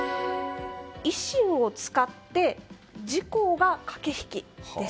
維新を使って自公が駆け引きです。